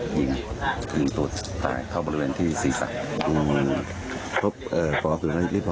อิ่มอิ่มตัวตายเท่าบริเวณที่สี่สักอืม